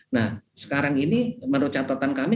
nah sekarang ini menurut catatan kami